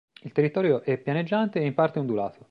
Il territorio è pianeggiante e in parte ondulato.